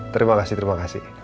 terima kasih terima kasih